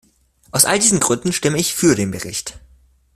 Aus all diesen Gründen stimme ich für den Bericht.